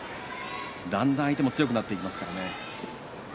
だんだん相手も強くなってきますからね。